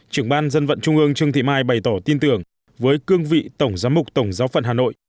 trưởng ban dân vận trung ương trương thị mai bày tỏ tin tưởng với cương vị tổng giám mục tổng giáo phận hà nội